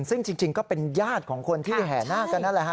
ซึ่งจริงก็เป็นญาติของคนที่แห่นาคกันนั่นแหละฮะ